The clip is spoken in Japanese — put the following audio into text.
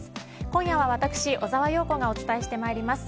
今夜は私小澤陽子がお伝えします。